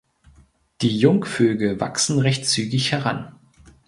Die Jungvögel wachsen recht zügig heran.